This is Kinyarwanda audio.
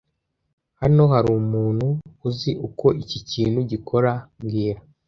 Hano hari umuntu uzi uko iki kintu gikora mbwira